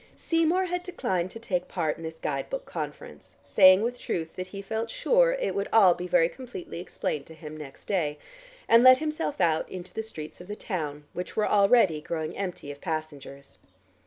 Seymour had declined to take part in this guide book conference, saying with truth that he felt sure it would all be very completely explained to him next day, and let himself out into the streets of the town which were already growing empty of passengers.